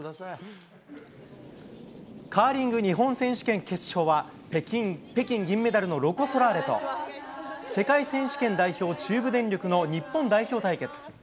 カーリング日本選手権決勝は、北京銀メダルのロコ・ソラーレと、世界選手権代表、中部電力の日本代表対決。